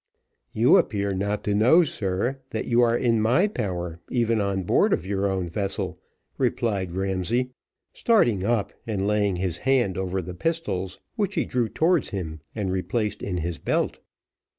"You appear not to know, sir, that you are in my power even on board of your own vessel," replied Ramsay, starting up, and laying his hand over the pistols, which he drew towards him, and replaced in his belt.